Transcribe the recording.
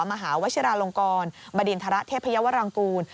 มหาวชิราลงกรบดินทรเทพยาวรังกูล